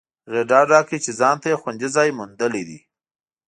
هغې ډاډ راکړ چې ځانته یې خوندي ځای موندلی دی